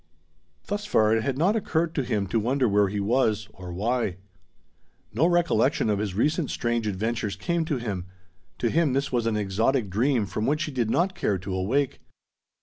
Thus far it had not occurred to him to wonder where he was, or why. No recollection of his recent strange adventures came to him. To him this was an exotic dream, from which he did not care to awake.